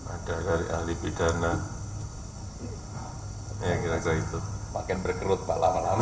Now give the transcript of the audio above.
ada dari ahli pidana